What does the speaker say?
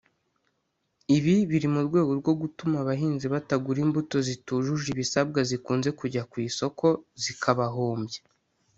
Ibi biri mu rwego rwo gutuma abahinzi batagura imbuto zitujuje ibisabwa zikunze kujya ku isoko zikabahombya